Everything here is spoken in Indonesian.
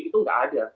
itu tidak ada